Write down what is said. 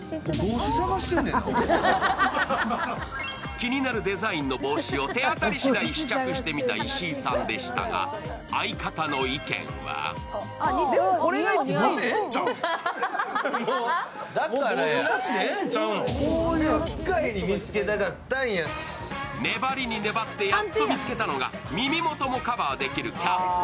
気になるデザインの帽子を手当たり次第試着してみた石井さんでしたが、相方の意見は粘りに粘ってやっと見つけたのが耳元もカバーできるキャップ。